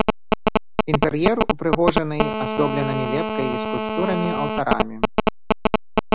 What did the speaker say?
Інтэр'ер упрыгожаны аздобленымі лепкай і скульптурамі алтарамі.